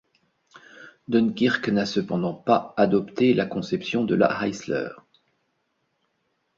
Dunkirk n'a cependant pas adopté la conception de la Heisler.